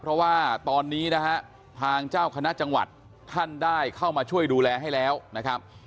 เพราะว่าตอนนี้นะฮะทางเจ้าคณะจังหวัดท่านได้เข้ามาช่วยดูแลให้แล้วนะครับ